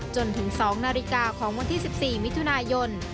จนถึง๒นาฬิกาของวันที่๑๔มิถุนายน